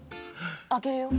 開けるよ？